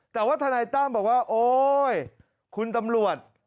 แต่ว่าทนายตั้มบอกว่าโอ๊ยคุณตำรวจ